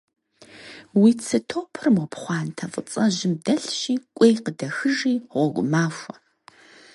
Уи цы топыр мо пхъуантэ фӀыцӀэжьым дэлъщи кӀуэи къыдэхыжи, гъуэгу махуэ.